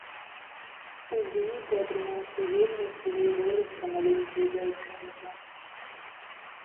У выніку атрымаўся вельмі чулы ролік пра маленькую дзяўчынку.